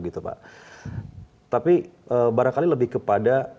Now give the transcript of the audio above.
tapi barangkali lebih kepada